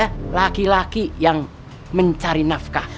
biar saya aja ya laki laki yang mencari nafkah